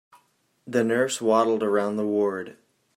The nurse waddled around the ward.